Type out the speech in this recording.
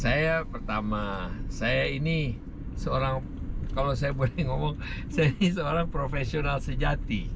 saya pertama saya ini seorang kalau saya boleh ngomong saya ini seorang profesional sejati